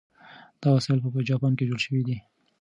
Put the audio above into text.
دا وسایل په جاپان کې جوړ شوي دي.